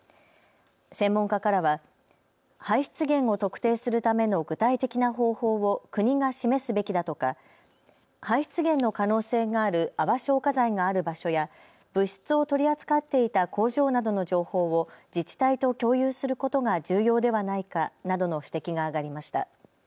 専門家からは排出源を特定するための具体的な方法を国が示すべきだとか排出源の可能性がある泡消火剤がある場所や物質を取り扱っていた工場などの情報を自治体と共有することが重要ではないかなどの指摘が上がりました。